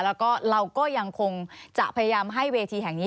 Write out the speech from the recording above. แล้วก็เราก็ยังคงจะพยายามให้เวทีแห่งนี้